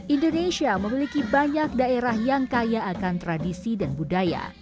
indonesia memiliki banyak daerah yang kaya akan tradisi dan budaya